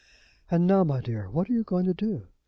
And now, my dear, what are you going to do?